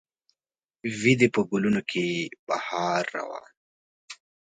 وي دې په ګلونو کې بهار روان